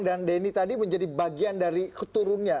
dan denny tadi menjadi bagian dari keturunnya